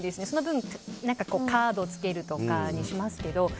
その分、カードをつけるとかしますけど。